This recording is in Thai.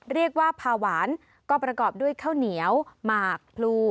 เรียกว่าพาหวานก็ประกอบด้วยข้าวเหนียวหมากพลู